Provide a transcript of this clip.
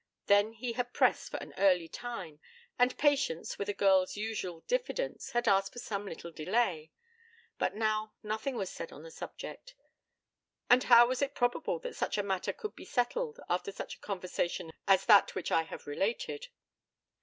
Then he had pressed for an early time, and Patience, with a girl's usual diffidence, had asked for some little delay. But now nothing was said on the subject; and how was it probable that such a matter could be settled after such a conversation as that which I have related?